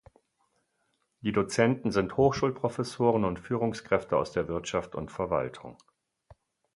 Die Dozenten sind Hochschulprofessoren und Führungskräfte aus der Wirtschaft und Verwaltung.